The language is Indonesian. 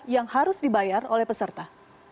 yang harus dibayar oleh peserta